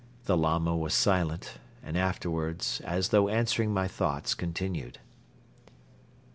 The Lama was silent and afterwards, as though answering my thoughts, continued.